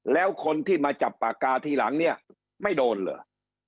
แล้วคนที่มาจับปากกาทีหลังเนี่ยไม่โดนเหรอ